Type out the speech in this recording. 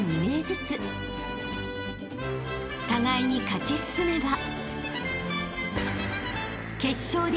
［互いに勝ち進めば］